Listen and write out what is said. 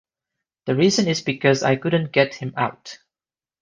The reason is because I couldn't get him out.